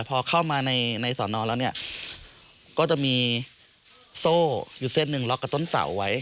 พอเข้ามาในสอนอแล้วเนี่ยก็จะมีโซ่อยู่เส้นหนึ่งล็อกกับต้นเสาไว้